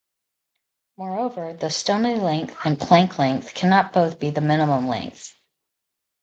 Moreover, the Stoney length and Planck length cannot both be the minimum length.